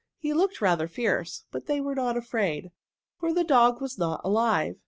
He looked rather fierce, but they were not afraid, for the dog was not alive.